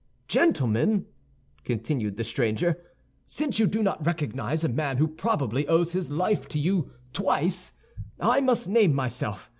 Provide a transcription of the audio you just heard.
"Gentlemen," continued the stranger, "since you do not recognize a man who probably owes his life to you twice, I must name myself.